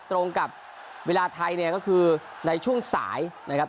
ตรงกับเวลาไทยเนี่ยก็คือในช่วงสายนะครับ